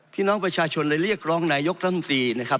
พี่น้องประชาชนเลยเรียกร้องนายกท่านฟรีนะครับ